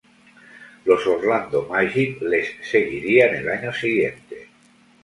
Los Orlando Magic les seguirían el siguiente año.